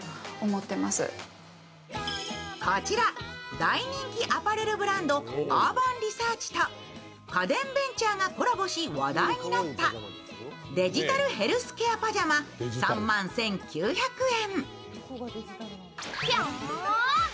大人気アパレルブランド、アーバンリサーチと家電ベンチャーがコラボし話題となったデジタルヘルスケアパジャマ３万１９００円。